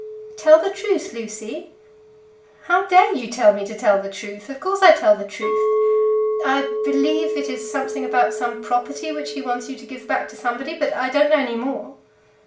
"Tell the truth, Lucy." "How dare you tell me to tell the truth? Of course I tell the truth. I believe it is something about some property which he wants you to give back to somebody; but I don't know any more."